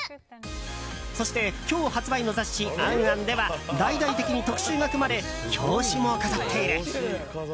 そして今日発売の雑誌「ａｎａｎ」では大々的に特集が組まれ表紙も飾っている。